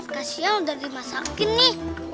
kasian udah dimasakin nih